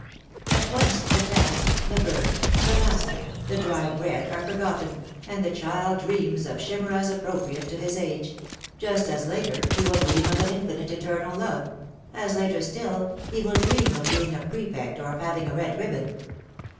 ^^ At once the task, the burn, the master, the dry bread, are forgotten, and the child dreams of chimeras appropriate to his age; just as later, he will dream of an infinite, eternal love — as later still, he will dream of being a prefect or of having a red ribbon.